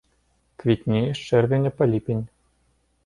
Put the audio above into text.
Квітнее з чэрвеня па ліпень.